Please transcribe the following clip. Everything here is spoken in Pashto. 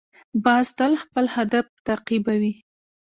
باز تل خپل هدف تعقیبوي